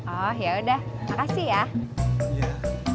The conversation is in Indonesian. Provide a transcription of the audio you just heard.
oh ya udah makasih ya